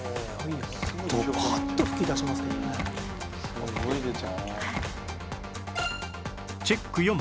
すごい出ちゃう。